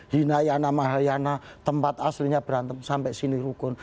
hinayana mahayana tempat aslinya berantem sampai sini rukun